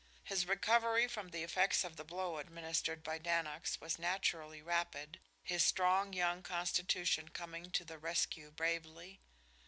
His recovery from the effects of the blow administered by Dannox was naturally rapid, his strong young constitution coming to the rescue bravely.